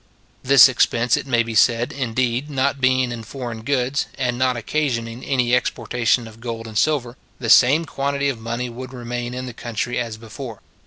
This expense, it may be said, indeed, not being in foreign goods, and not occasioning any exportation of gold and silver, the same quantity of money would remain in the country as before.